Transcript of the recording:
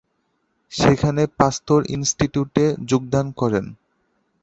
সেখানে পাস্তুর ইনস্টিটিউটে যোগদান করেন।